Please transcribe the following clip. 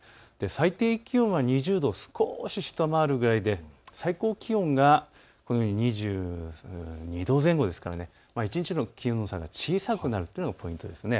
最低気温は２０度を少し下回るくらいで最高気温が２２度前後ですから一日の気温差が小さくなるというのがポイントです。